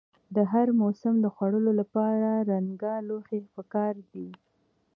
د هر موسم د خوړو لپاره رنګه لوښي پکار دي.